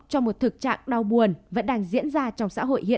cho một thực trạng đau buồn vẫn đang diễn ra